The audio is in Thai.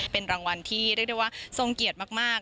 เป็นรางวัลที่เรียกได้ว่าทรงเกียรติมาก